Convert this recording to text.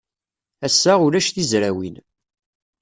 Ass-a, ulac tizrawin.